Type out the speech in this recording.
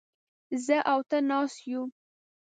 زه او ته ناست يوو.